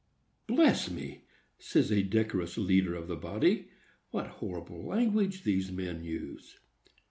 "Bless me!" says a decorous leader of the body, "what horrible language these men use!"